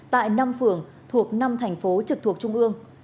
tại năm phường thuộc năm thành phố trực thuộc trung ương